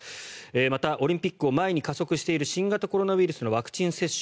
また、オリンピックを前に加速している新型コロナウイルスのワクチン接種。